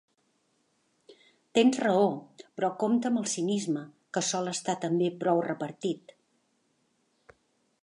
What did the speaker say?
Tens raó, però compte amb el cinisme, que sol estar també prou repartit.